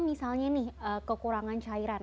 misalnya nih kekurangan cairan